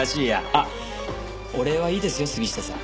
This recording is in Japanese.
あっお礼はいいですよ杉下さん。